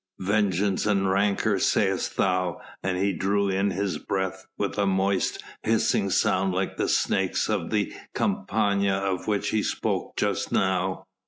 Vengeance and rancour, sayest thou?" and he drew in his breath with a moist, hissing sound like the snakes of the Campania of which he spoke just now.